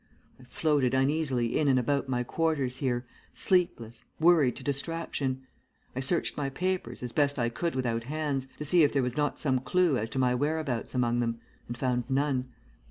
I floated uneasily in and about my quarters here, sleepless, worried to distraction. I searched my papers, as best I could without hands, to see if there was not some clue as to my whereabouts among them, and found none.